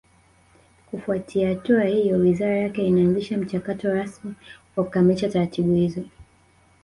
kufuatia hatua hiyo wizara yake inaanzisha mchakato rasmi wa kukamilisha taratibu hizo